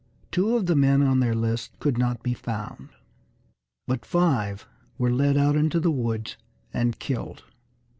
Two of the men on their list could not be found, but five were led out into the woods and killed.